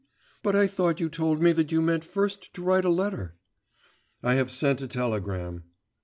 But I thought you told me that you meant first to write a letter ' 'I have sent a telegram.